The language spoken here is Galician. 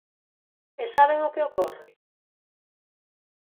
¿E saben o que ocorre?